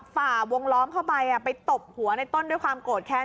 ฝ่าวงล้อมเข้าไปไปตบหัวในต้นด้วยความโกรธแค้น